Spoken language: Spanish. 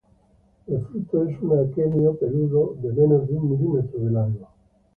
El fruto es un aquenio peludo de menos de un milímetro de largo.